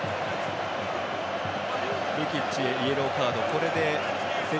ルキッチへイエローカード。